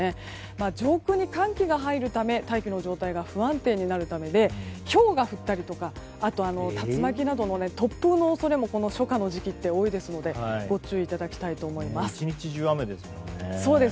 上空に寒気が入るため大気の状態が不安定になるためでひょうが降ったり竜巻などの突風の恐れもこの初夏の時期は多いですのでご注意いただきたいと思います。